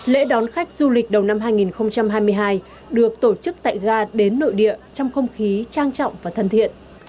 lễ đón khách du lịch đầu năm hai nghìn hai mươi hai được tổ chức tại ga đến nội địa trong không khí trang trọng và thân thiện